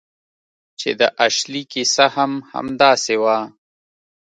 چې د اشلي کیسه هم همداسې وه